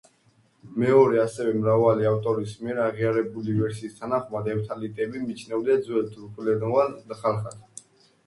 მეორე, ასევე, მრავალი ავტორის მიერ აღიარებული ვერსიის თანახმად, ეფთალიტები მიჩნეულია ძველ თურქულენოვან ხალხად.